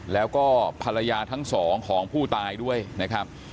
แล้วก็ภรรยาทั้งสองของผู้ตายด้วยนะครับ